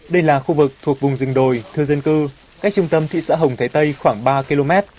đây là khu vực thuộc vùng rừng đồi thưa dân cư cách trung tâm thị xã hồng thái tây khoảng ba km